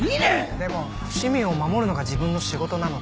でも市民を守るのが自分の仕事なので。